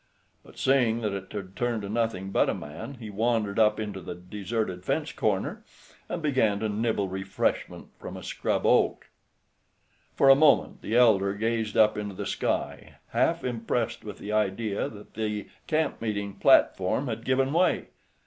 But seeing that it had turned to nothing but a man, he wandered up into the deserted fence corner, and began to nibble refreshment from a scrub oak. For a moment the elder gazed up into the sky, half impressed with the idea that the camp meeting platform had given way.